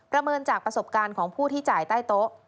เมินจากประสบการณ์ของผู้ที่จ่ายใต้โต๊ะ